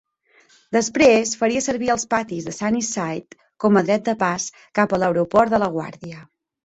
Després faria servir els patis de Sunnyside com a dret de pas cap a l'aeroport de LaGuardia.